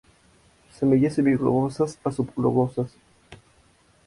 Semillas semi-globosas a subglobosas.